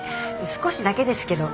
少しだけですけど。